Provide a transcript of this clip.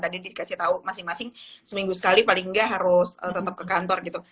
tadi dikasih tahu masing masing seminggu sekali paling nggak harus tetap ke kantor gitu